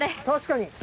確かに！